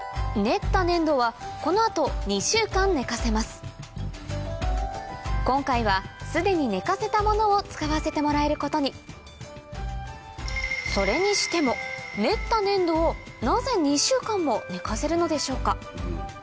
この後今回はすでに寝かせたものを使わせてもらえることにそれにしても練った粘土をなぜ２週間も寝かせるのでしょうか？